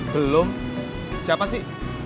belum siapa sih